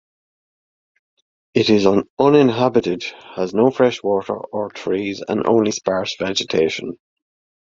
It is uninhabited, has no fresh water or trees and only sparse vegetation.